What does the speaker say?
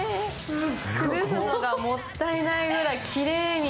崩すのがもったいないくらいきれいに。